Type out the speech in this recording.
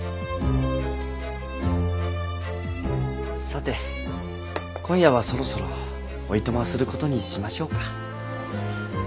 さて今夜はそろそろおいとますることにしましょうか。